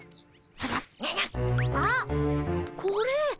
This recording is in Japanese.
あっこれ。